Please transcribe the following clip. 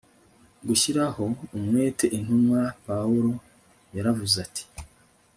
gushyiraho umwete Intumwa Pawulo yaravuze ati